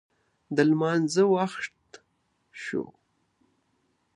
د لمانځه وخت شو